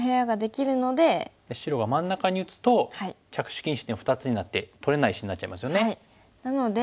白が真ん中に打つと着手禁止点２つになって取れない石になっちゃいますよね。